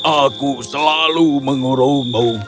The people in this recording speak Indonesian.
aku selalu menghormatimu